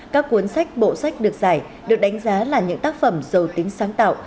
các cuốn sách bộ sách được giải được đánh giá là những tác phẩm giàu tính sáng tạo